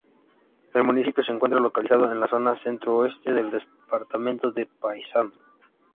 El municipio se encuentra localizado en la zona centro-oeste del departamento de Paysandú.